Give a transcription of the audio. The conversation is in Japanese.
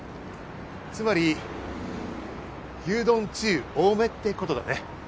つまり牛丼つゆ多めってことだね。